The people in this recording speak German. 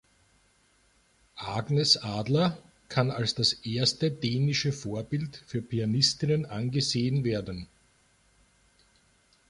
Agnes Adler kann als das erste dänische Vorbild für Pianistinnen angesehen werden.